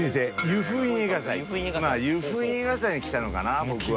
湯布院映画祭に来たのかな僕は。